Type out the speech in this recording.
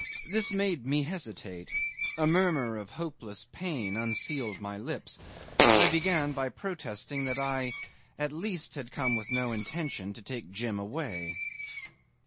This made me hesitate. A murmur of hopeless pain unsealed my lips. I began by protesting that I at least had come with no intention to take Jim away.